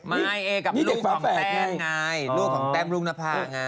ไม่เอกับลูกของแต้มไงลูกของแต้มรุ่งนภาไง